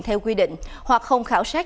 theo quy định hoặc không khảo sát